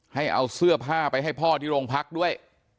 ให้เอาเสื้อผ้าไปให้พ่อที่โรงพักด้วย